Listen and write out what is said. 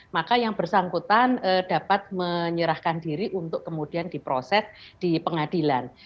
maka yang bersangkutan dapat menyerahkan diri untuk kemudian diproses di pengadilan